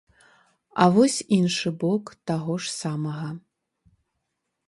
А вось іншы бок таго ж самага.